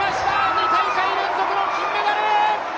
２大会連続の金メダル！